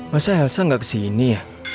masa elsa nggak kesini ya